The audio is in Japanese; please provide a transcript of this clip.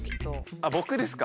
あっ僕ですか？